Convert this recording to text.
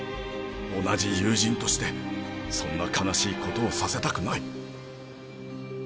同じ友人としてそんな悲しいことをさせたくない。